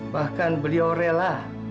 bahkan beliau rela